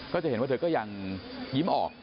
ก็จะเห็นว่าเธอก็ยังยิ้มออก